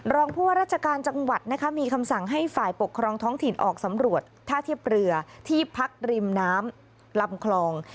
รองผู้ว่าราชการจังหวัดนะคะมีคำสั่งให้ฝ่ายปกครองท้องถิ่นออกสำรวจท่าเทียบเรือที่พักริมน้ำลำคลอง